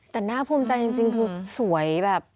แต่น่าภูมิใจจริงคือสวยแบบ